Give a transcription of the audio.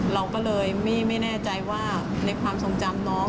เราก็เลยไม่แน่ใจว่าในความทรงจำน้อง